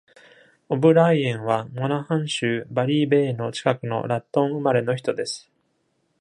オブライエンは、モナハン州バリーベイの近くのラットン生まれの人です。